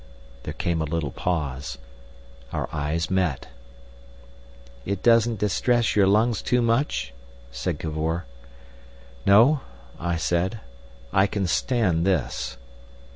There came a little pause. Our eyes met. "It doesn't distress your lungs too much?" said Cavor. "No," I said. "I can stand this."